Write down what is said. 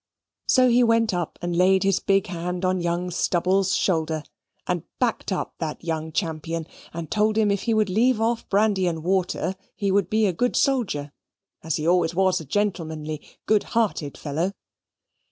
So he went up and laid his big hand on young Stubble's shoulder, and backed up that young champion, and told him if he would leave off brandy and water he would be a good soldier, as he always was a gentlemanly good hearted fellow.